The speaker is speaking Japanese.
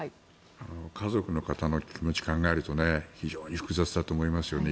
家族の方の気持ちを考えると非常に複雑だと思いますよね。